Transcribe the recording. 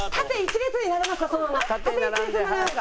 「縦に並んではい」。